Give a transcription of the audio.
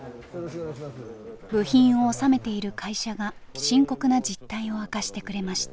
部品をおさめている会社が深刻な実態を明かしてくれました。